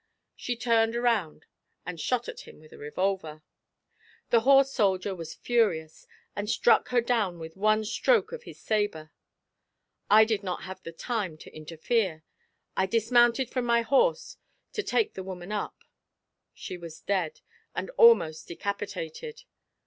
She turned around and shot at him with a revolver. The horse soldier was furious, and struck her down with one stroke of his sabre. I did not have the time to interfere. I dismounted from my horse to take the woman up. She was dead, and almost decapitated.